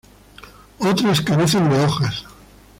Otras carecen de hojas.